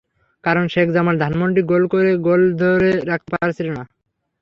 কারণ শেখ জামাল ধানমন্ডি গোল করে গোল ধরে রাখতে পারছিল না।